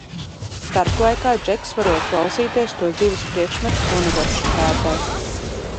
Starplaikā Džeks varot klausīties tos divus priekšmetus Universitātē.